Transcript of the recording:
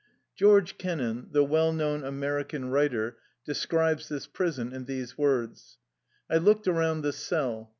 George Kennan, the well known American writer, describes this prison in these words :^" I looked around the cell.